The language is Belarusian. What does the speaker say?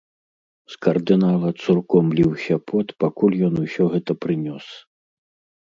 З кардынала цурком ліўся пот, пакуль ён усё гэта прынёс.